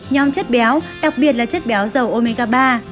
nhóm chất béo đặc biệt là chất béo dầu omega ba